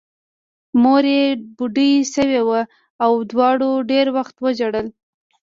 مور یې بوډۍ شوې وه او دواړو ډېر وخت وژړل